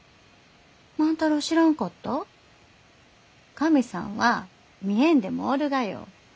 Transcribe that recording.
神さんは見えんでもおるがよ。